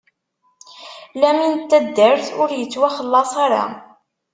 Lamin n taddart, ur ittwaxellaṣ ara.